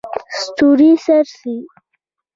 ستوري څرڅي.